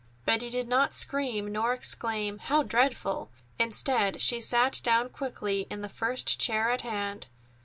Betty did not scream nor exclaim, "How dreadful!" Instead, she sat down quickly in the first chair at hand.